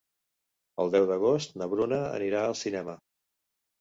El deu d'agost na Bruna anirà al cinema.